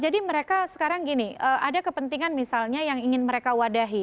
jadi mereka sekarang gini ada kepentingan misalnya yang ingin mereka wadahi